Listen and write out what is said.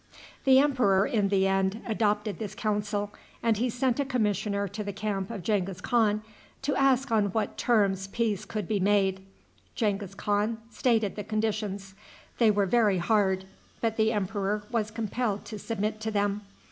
The emperor, in the end, adopted this counsel, and he sent a commissioner to the camp of Genghis Khan to ask on what terms peace could be made. Genghis Khan stated the conditions. They were very hard, but the emperor was compelled to submit to them.